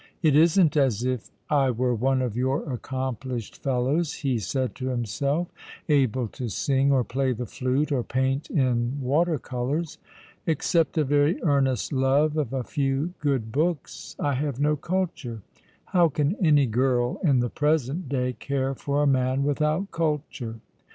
" It isn't as if I were one of your accomplished fellows," he said to himself, " able to sing, or play the flute, or paint in water colours. Except a very earnest love of a few good books, I have no culture. How can any girl in the present day care for a man without culture